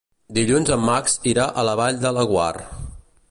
Dilluns en Max irà a la Vall de Laguar.